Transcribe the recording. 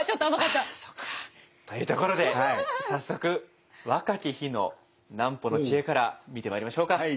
あそっか。というところで早速若き日の南畝の知恵から見てまいりましょうか。